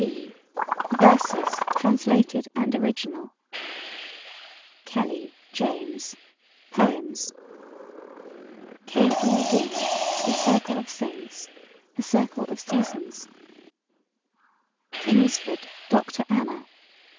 E.: Verses: Translated and Original KELLY, JAMES: Poems K. E. V.: The Circle of Saints The Circle of Seasons KINGSFORD, DR. ANNA.